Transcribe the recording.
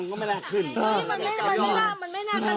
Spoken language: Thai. หนูไม่ได้ถามเมียมเลยว่ามันศักดิ์อะไรมา